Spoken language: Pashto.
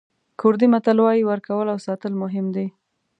کوردي متل وایي ورکول او ساتل مهم دي.